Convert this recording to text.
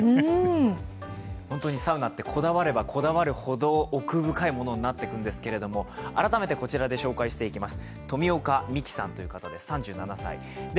本当にサウナってこだわればこだわるほど奥深いものになっていくんですけど改めて、こちらで紹介していきます。